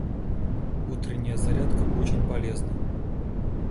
Утренняя зарядка очень полезна.